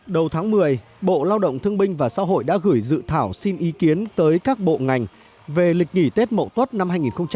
đầu tháng một mươi bộ lao động thương binh và xã hội đã gửi dự thảo xin ý kiến tới các bộ ngành về lịch nghỉ tết mộ tốt năm hai nghìn một mươi tám